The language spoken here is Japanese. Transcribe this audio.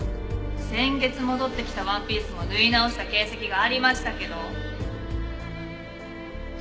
先月戻ってきたワンピースも縫い直した形跡がありましたけど？